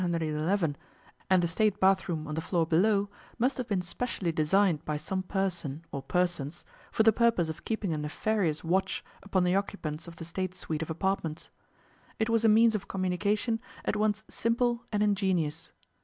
111 and the State bathroom on the floor below must have been specially designed by some person or persons for the purpose of keeping a nefarious watch upon the occupants of the State suite of apartments. It was a means of communication at once simple and ingenious.